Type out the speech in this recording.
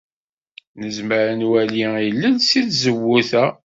Nezmer ad nwali ilel seg tzewwut-a.